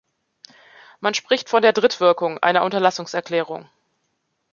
Man spricht von der "Drittwirkung" einer Unterlassungserklärung.